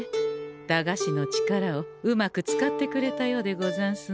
駄菓子の力をうまく使ってくれたようでござんすね。